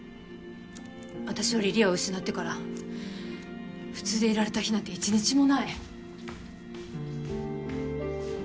私は梨里杏を失ってから普通でいられた日なんて１日もない。